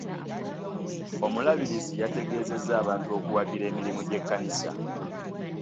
Omulabirizi yategezezza abantu okuwagira emirimu gy'ekkanisa.